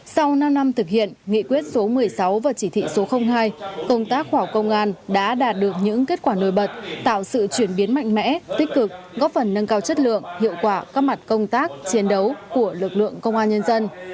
sau năm năm thực hiện nghị quyết số một mươi sáu và chỉ thị số hai công tác khoa học công an đã đạt được những kết quả nổi bật tạo sự chuyển biến mạnh mẽ tích cực góp phần nâng cao chất lượng hiệu quả các mặt công tác chiến đấu của lực lượng công an nhân dân